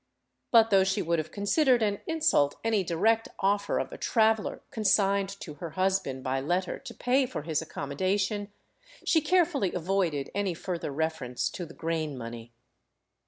But though she would have considered an insult any direct offer of a traveler con signed to her husband by letter to pay for his accommodation, she care fully avoided any further reference to the grain money.